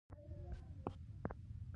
د اطلاع ورکړې ده له عبارت څخه معلومیږي.